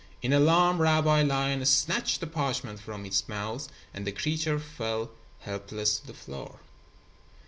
In alarm, Rabbi Lion snatched the parchment from its mouth and the creature fell helpless to the floor.